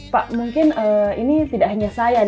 pak mungkin ini tidak hanya saya